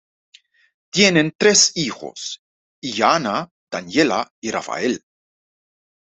Tienen tres hijos, Ilana, Daniela y Rafael.